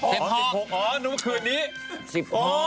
อ๋อ๑๖อ๋อนึกว่าคืนนี้